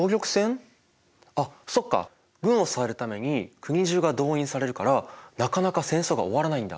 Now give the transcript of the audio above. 軍を支えるために国中が動員されるからなかなか戦争が終わらないんだ。